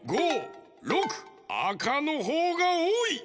あかのほうがおおい。